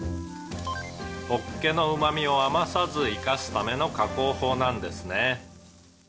「ホッケのうま味を余さず生かすための加工法なんですね」